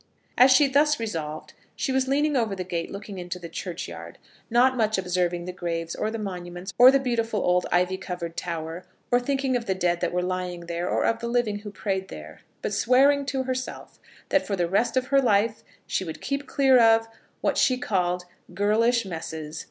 As she thus resolved, she was leaning over the gate looking into the churchyard, not much observing the graves or the monuments or the beautiful old ivy covered tower, or thinking of the dead that were lying there, or of the living who prayed there; but swearing to herself that for the rest of her life she would keep clear of, what she called, girlish messes.